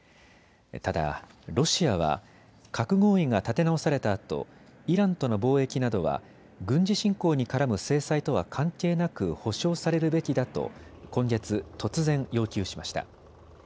ただ、ロシアは核合意が立て直されたあとイランとの貿易などは軍事侵攻に絡む制裁とは関係なく保証されるべきだと今月、突然要求しました。